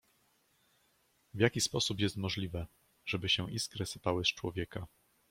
w jaki sposób jest możliwe, żeby się iskry sypały z człowieka.